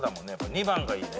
２番がいいね。